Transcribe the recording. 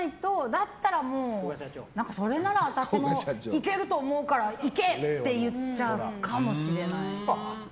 だったらそれなら私もいけると思うからいけ！と言っちゃうかもしれない。